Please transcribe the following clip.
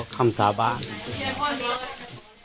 เออเอาตามความพอ